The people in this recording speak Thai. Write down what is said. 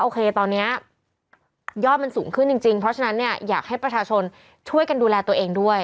ตอนนี้ยอดมันสูงขึ้นจริงเพราะฉะนั้นเนี่ยอยากให้ประชาชนช่วยกันดูแลตัวเองด้วย